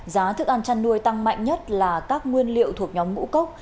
giá thức ăn chăn nuôi tăng mạnh nhất là các nguyên liệu thuộc nhóm ngũ cốc